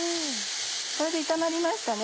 これで炒まりましたね